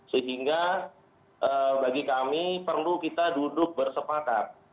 sehingga bagi kami perlu kita duduk bersepatak